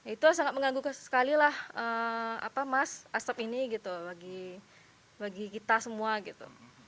itu sangat mengganggu sekali lah mas asep ini gitu bagi kita semua gitu